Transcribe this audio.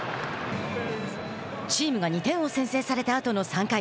チームが２点を先制されたあとの３回。